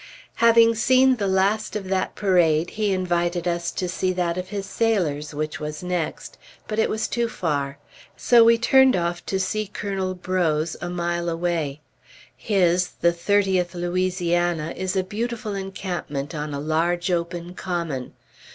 Having seen the last of that parade, he invited us to see that of his sailors, which was next; but it was too far; so we turned off to see Colonel Breaux's, a mile away. His, the Thirtieth Louisiana, is a beautiful encampment on a large open common.